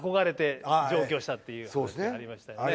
したっていう話ありましたよね。